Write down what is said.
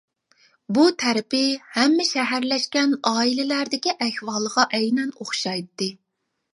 بۇ تەرىپى ھەممە شەھەرلەشكەن ئائىلىلەردىكى ئەھۋالغا ئەينەن ئوخشايتتى.